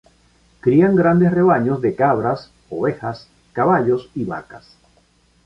Crían grandes rebaños de cabras, ovejas, caballos y vacas.